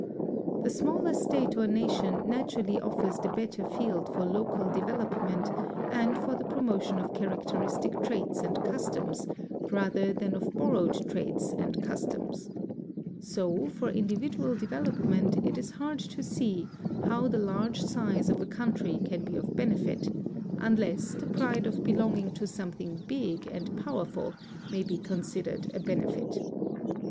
The Digitized by Google 218 The South Atlantic Quarterly smaller state or nation naturally oflFers the better field for local development and for the promotion of characteristic traits and customs rather than of borrowed traits and customs. So for individual development it is hard to see how the large size of a country can be of benefit, unless the pride of belonging to something big and powerful may be considered a benefit.